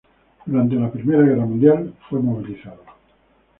Durante la Primera Guerra Mundial, fue movilizado.